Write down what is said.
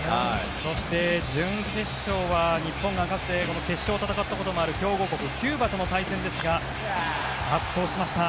そして、準決勝は日本がかつて決勝を戦ったこともある強豪国キューバとの対戦でしたが圧倒しました。